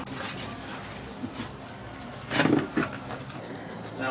อันนั้นนะครับ